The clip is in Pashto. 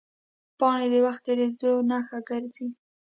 پاڼې د وخت تېرېدو نښه ګرځي